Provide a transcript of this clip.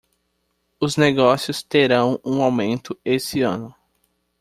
Os negócios terão um aumento esse ano.